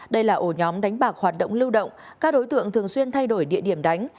đây là ổ nhóm đánh bạc hoạt động lưu động các đối tượng thường xuyên thay đổi địa điểm đánh